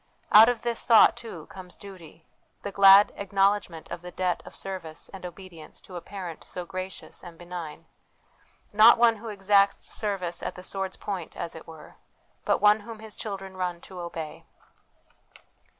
Out of this thought, too, comes duty the glad acknowledgment of the debt of service and obedience to a Parent so gracious and benign not One who exacts service at the sword's point, as it were, but One whom His children run to obey.